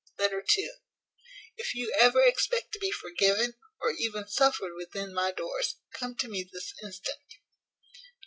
LETTER II. "If you ever expect to be forgiven, or even suffered within my doors, come to me this instant."